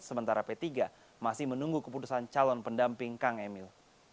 sementara p tiga masih menunggu keputusan calon pendamping kang emil